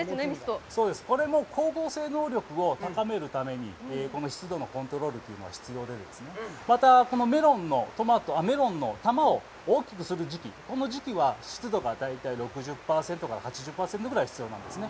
これも、光合成能力を高めるために、この湿度のコントロールというのは必要でまた、このメロンの玉を大きくする時期、この時期は、湿度が大体６０％から８０％ぐらい必要なんですね。